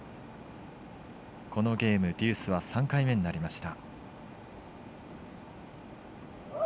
このゲーム、デュースは３回目になりました。